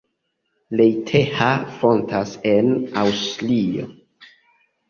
Leitha fontas en Aŭstrio.